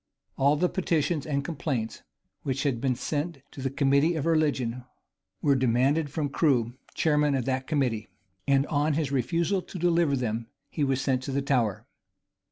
All the petitions and complaints which had been sent to the committee of religion, were demanded from Crew, chairman of that committee; and on his refusal to deliver them, he was sent to the Tower.